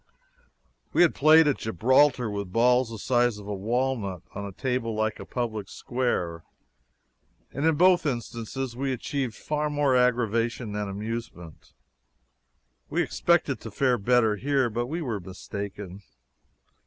We had played at Gibraltar with balls the size of a walnut, on a table like a public square and in both instances we achieved far more aggravation than amusement. We expected to fare better here, but we were mistaken.